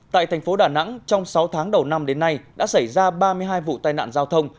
tại thành phố đà nẵng trong sáu tháng đầu năm đến nay đã xảy ra ba mươi hai vụ tai nạn giao thông